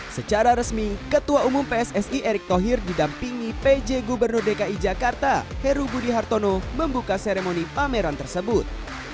secara resmi ketua umum pssi erick thohir didampingi pj gubernur dki jakarta heru budi hartono membuka seremoni pameran tersebut